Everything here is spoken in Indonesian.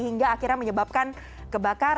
hingga akhirnya menyebabkan kebangkitan